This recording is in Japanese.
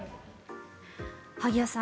萩谷さん